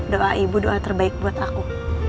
doa ibu doa terbaik buat aku